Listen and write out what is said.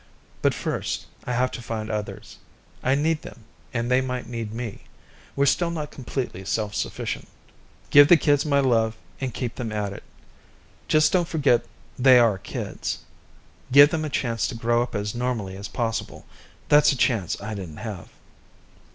But first, I have to find others. I need them, and they might need me. We're still not completely self sufficient. "Give the kids my love, and keep them at it. Just don't forget they are kids. Give them a chance to grow up as normally as possible. That's a chance I didn't have."